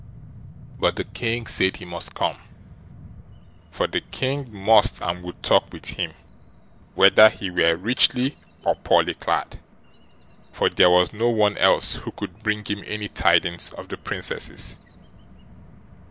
But the King said he must come; for the King must and would talk with him, whether he were richly or poorly clad, for there was no one else who could bring him any tidings of the Princesses.